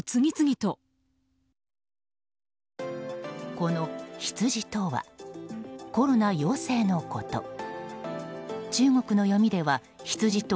この「羊」とはコロナ陽性のこと。